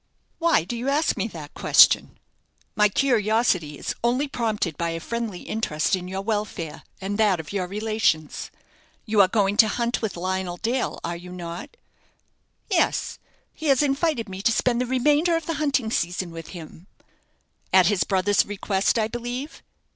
"Why do you ask me that question?" "My curiosity is only prompted by a friendly interest in your welfare, and that of your relations. You are going to hunt with Lionel Dale, are you not?" "Yes; he has invited me to spend the remainder of the hunting season with him?" "At his brother's request, I believe?"